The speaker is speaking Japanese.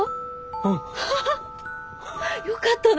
うん。ハハハよかったね。